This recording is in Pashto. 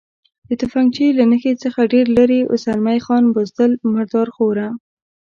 د تفنګچې له نښې څخه ډېر لرې و، زلمی خان: بزدل، مرادرخواره.